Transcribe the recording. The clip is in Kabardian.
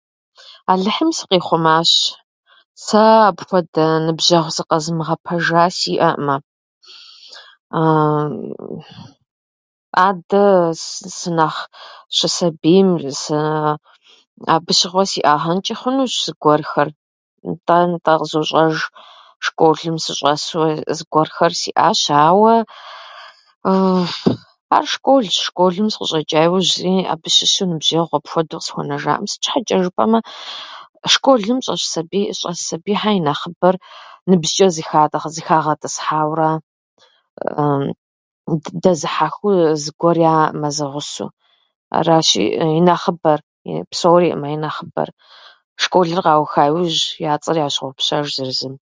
Алыхьым сыкъихъумащ. Сэ апхуэдэ ныбжьэгъу сыкъэзымыгъэпэжа сиӏэӏымэ Адэ сы- сынэхъщысабийм, сы- абы щыгъуэ сиӏагъэнчӏэ хъунущ зыгуэрхэр. Нтӏэ, нтӏэ, къызощӏэж. Школым сыщӏэсу зыгуэрхэр сиӏащ, ауэ ар школщ. Школым сыкъыщӏэчӏа иужь зыри абы щыщу ныбжьэгъу апхуэдэу къысхуэнэжаӏым. Сыт щхьэчӏэ жыпӏэу щытмэ, школым щӏэс сабий- щӏэс сабийхьэр нэхъыбэр ныбжьчӏэ зыхатӏы- зыхагъэтӏысхьауэ ара, дэзыхьэхыу зыгуэр яӏэкъымэ зэгъусэу. Аращи, и нэхъыбэр, псориӏымэ, и нэхъыбэр. Школыр къауха иужь я цӏэр ящогъупщэж зыр зым.